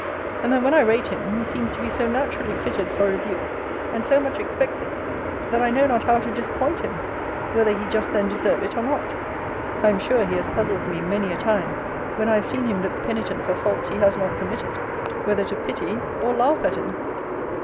And then, when I rate him, he seems to be so naturally fitted for rebuke, and so much expects it, that I know not how to disappoint him, whether he just then deserve it, or not. I am sure, he has puzzled me many a time when I have seen him look penitent for faults he has not committed, whether to pity or laugh at him.